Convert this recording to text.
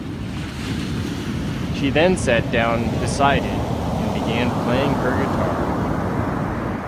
She then sat down beside it and began playing her guitar.